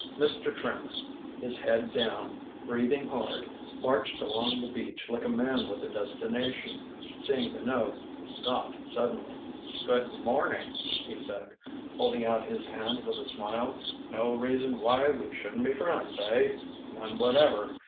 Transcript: Mr. Trimmer, his head down, breathing hard, marched along the beach like a man with a destination. Seeing Minot, he stopped suddenly. "Good morning," he said, holding out his hand, with a smile. "No reason why we shouldn't be friends, eh? None whatever.